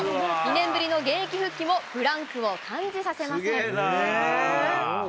２年ぶりの現役復帰もブランクを感じさせません。